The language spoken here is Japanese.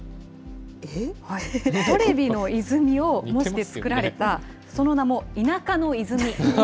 トレビの泉を模して作られた、その名も、田舎の泉。